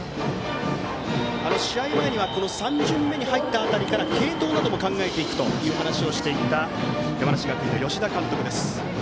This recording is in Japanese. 試合前には３巡目に入った辺りから継投なども考えていくという話をしていた山梨学院の吉田監督です。